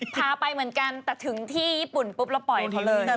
พาไปเหมือนกันแต่ถึงที่ญี่ปุ่นปุ๊บเราปล่อยเขาเลย